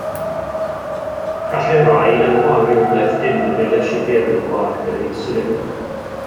Gallai rhai elwa o reolaeth dynn lefelau siwgr yn y gwaed gydag inswlin.